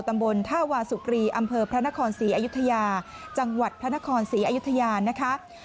ตำบลท่าวาสุกรีอำเภอพระนครศรีอยุธยาจังหวัดพระนครศรีอยุธยานะคะ